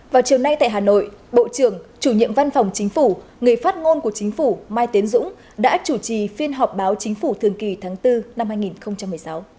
vào chiều nay tại hà nội bộ trưởng chủ nhiệm văn phòng chính phủ người phát ngôn của chính phủ mai tiến dũng đã chủ trì phiên họp báo chính phủ thường kỳ tháng bốn năm hai nghìn một mươi sáu